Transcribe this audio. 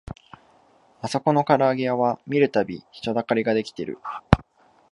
あそこのからあげ屋は見るたび人だかりが出来てる